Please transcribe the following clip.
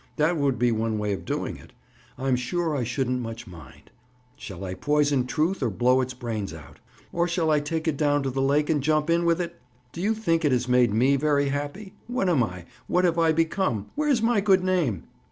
That would be one way of doing it. I'm sure I shouldn't much mind. Shall I poison Truth or blow its brains out? Or shall I take it down to the lake and jump in with it? Do you think it has made me very happy? What am I? What have I become? Where is my good name?"